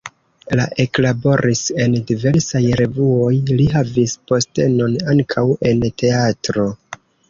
Li eklaboris en diversaj revuoj, li havis postenon ankaŭ en teatro.